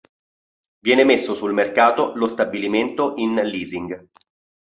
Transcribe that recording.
Viene messo sul mercato lo stabilimento in leasing.